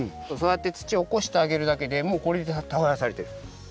そうやって土をおこしてあげるだけでもうこれでたがやされてる。